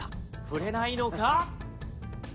ふれないのか？